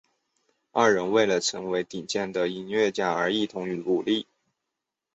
二人为了成为顶尖的音乐家而一同努力。